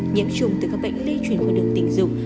nhiễm trùng từ các bệnh lây truyền qua đường tình dục